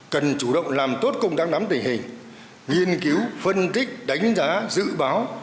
cần chủ động làm tốt công tác nắm tình hình nghiên cứu phân tích đánh giá dự báo